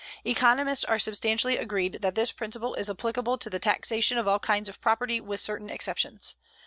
Economists are substantially agreed that this principle is applicable to the taxation of all kinds of property with certain exceptions.